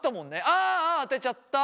ああ当てちゃった。